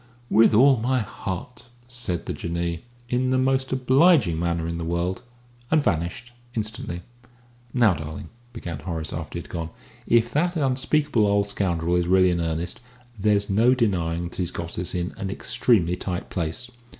"With all my heart," said the Jinnee, in the most obliging manner in the world, and vanished instantly. "Now, darling," began Horace, after he had gone, "if that unspeakable old scoundrel is really in earnest, there's no denying that he's got us in an extremely tight place.